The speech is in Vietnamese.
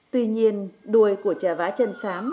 tuy nhiên đuôi của trà vá chân sám